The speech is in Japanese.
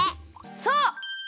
そう！